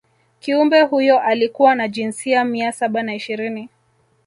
kiumbe huyo alikuwa na jinsia mia saba na ishirini